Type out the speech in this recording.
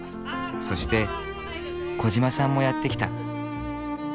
そして小嶋さんもやって来た。